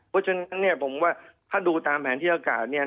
เพราะฉะนั้นผมว่าถ้าดูตามแผนที่อากาศ